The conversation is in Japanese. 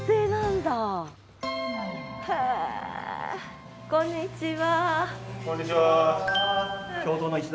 こんにちは。